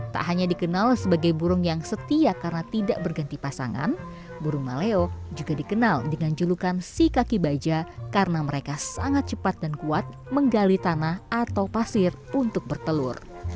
tak hanya dikenal sebagai burung yang setia karena tidak berganti pasangan burung maleo juga dikenal dengan julukan si kaki baja karena mereka sangat cepat dan kuat menggali tanah atau pasir untuk bertelur